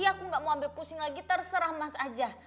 aku gak mau ambil pusing lagi terserah emas aja